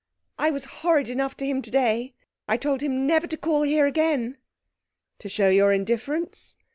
'I was horrid enough to him today! I told him never to call here again.' 'To show your indifference?'